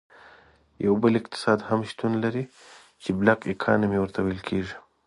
یو بل اقتصاد هم شتون ولري چې Black Economy ورته ویل کیږي.